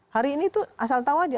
hari ini tuh asal tau aja